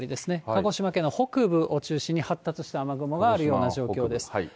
鹿児島県の北部を中心に、発達した雨雲があるような状況です。